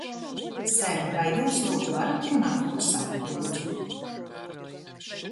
Ser, vai jūs, lūdzu, varat runāt klusāk, lūdzu?